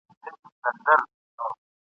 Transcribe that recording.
د علاج پیسې مي راکړه رخصتېږم ..